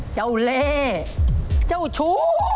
เจ้าเลเจ้าชู้